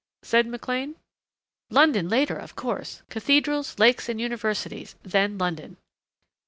said McLean. "London, later, of course. Cathedrals, lakes and universities then London."